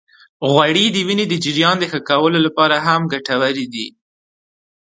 غوړې د وینې د جريان د ښه کولو لپاره هم ګټورې دي.